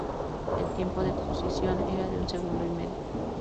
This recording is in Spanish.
El tiempo de exposición era de un segundo y medio.